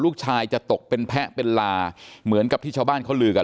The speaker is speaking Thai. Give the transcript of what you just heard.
ลูกชายจะตกเป็นแพะเป็นลาเหมือนกับที่ชาวบ้านเขาลือกัน